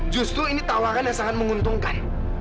justru ini tawaran yang sangat menguntungkan